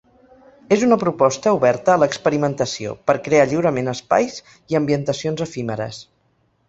És una proposta oberta a l’experimentació, per crear lliurement espais i ambientacions efímeres.